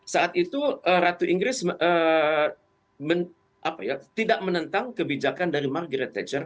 saat itu ratu inggris tidak menentang kebijakan dari margin attacher